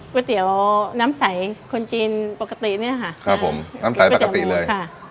เตี๋ยวน้ำใสคนจีนปกติเนี่ยค่ะครับผมน้ำใสปกติเลยค่ะ